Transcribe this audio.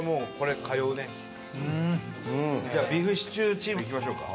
じゃあビーフシチューチームいきましょうか。